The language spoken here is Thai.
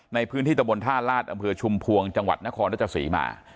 ในพื้นที่ตะบนท่าลาศอำเภอชุมพวงจังหวัดนครรัชศรีมา